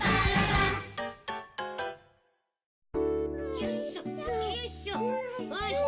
よいしょよいしょ。